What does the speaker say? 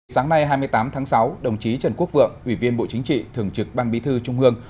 sáng nay hai mươi tám tháng sáu đồng chí trần quốc vượng ủy viên bộ chính trị thường trực ban bí thư trung ương